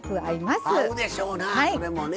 合うでしょうなどれもね。